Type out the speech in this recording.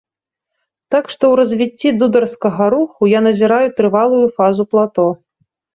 Так што ў развіцці дударскага руху я назіраю трывалую фазу плато.